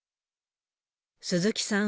鈴木さん